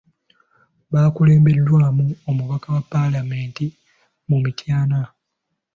Bakulembeddwamu omubaka wa Paalamenti mu Mityana.